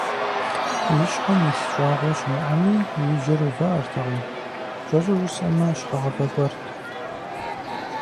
И щхьэм илъ щӀагъуэ щымыӀэми, и жьэр увыӀэртэкъым, кӀэщӀу жысӀэмэ, щхьэгъавэ гуэрт.